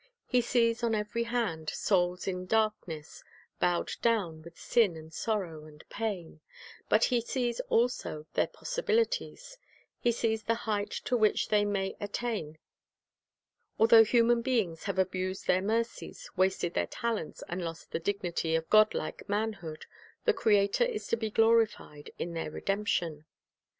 He sees on every hand souls in darkness, bowed down with sin and sorrow and pain. But He sees also their pos sibilities; He sees the height to which they may attain. Although human beings have abused their mercies, wasted their talents, and lost the dignity of godlike man hood, the Creator is to be glorified in their redemption.